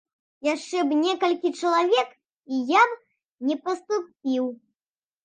Яшчэ б некалькі чалавек, і я б не паступіў.